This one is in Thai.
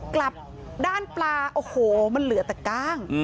กลับด้านปลาโอ้โหมันเหลือแต่กล้าง